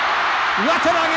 上手投げ。